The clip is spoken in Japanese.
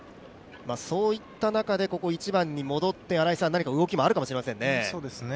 そういった中でここ１番に戻って、何か動きがあるかもしれませんね。